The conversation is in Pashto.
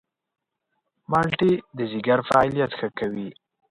مالټې د ځيګر فعالیت ښه کوي.